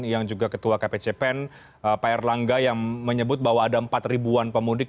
yang juga ketua kpcpen pak erlangga yang menyebut bahwa ada empat ribuan pemudik